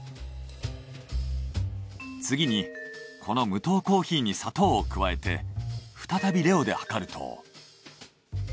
次にこの無糖コーヒーに砂糖を加えて再びレオで測ると。